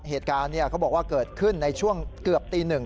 เหตุการณ์เขาบอกว่าเกิดขึ้นในช่วงเกือบตี๑